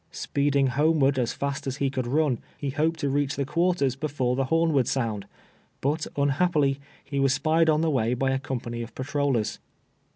Speeding homeward as fast as he could run, he hoped to reach the quarters before the horn would sound ; but, unhappily, he was spied on the way by a company of patrollers.